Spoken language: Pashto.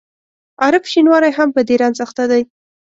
عارف شینواری هم په دې رنځ اخته دی.